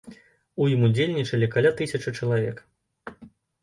У ім удзельнічалі каля тысячы чалавек.